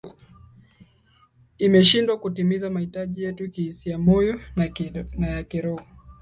imeshindwa kutimiza mahitaji yetu ya kihisiamoyo na ya kiroho